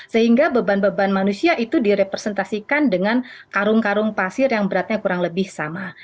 sehingga beban beban manusia itu direpresentasikan dengan karung karung pasir yang beratnya kurang lebih sama